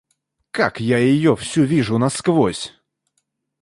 Как я ее всю вижу насквозь!